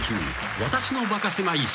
『私のバカせまい史』